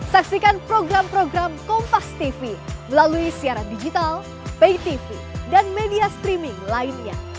saksikan program program kompas tv melalui siaran digital pay tv dan media streaming lainnya